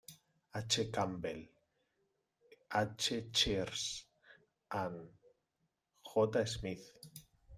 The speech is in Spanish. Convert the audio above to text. H. Campbell, H. Cheers and J. Smith.